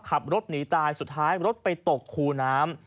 ขับรถหนีตายสุดท้ายรถไปตกคูน้ำ